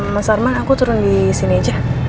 mas arman aku turun disini aja